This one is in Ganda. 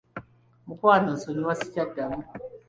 Mukwano nsonyiwa sikyaddamu.